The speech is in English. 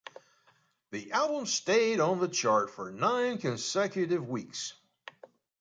The album stayed on the chart for nine consecutive weeks.